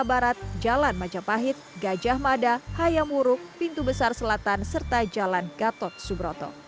barat jalan majapahit gajah mada hayamurung pintu besar selatan serta jalan gatot subroto